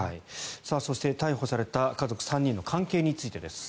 そして、逮捕された家族３人の関係についてです。